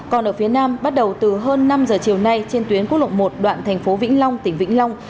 còn ở phía nam bắt đầu từ hơn năm giờ chiều nay trên tuyến quốc lộ một đoạn thành phố vĩnh long tỉnh vĩnh long